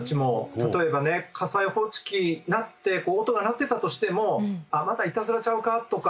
例えばね火災報知器鳴って音が鳴ってたとしても「あっまたいたずらちゃうか」とか思っちゃいませんか。